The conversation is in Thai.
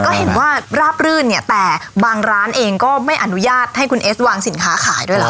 แต่ก็เห็นว่าราปลื้นแต่บางร้านเองก็ไม่อนุญาตมอบให้คุณเอสวางสินค้าขายด้วยละ